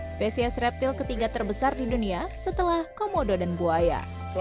spesies reptil ketiga terbesar di dunia setelah komodo dan buaya